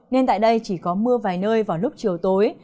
nên tại đây chỉ có mưa vài nơi vào lúc chiều tối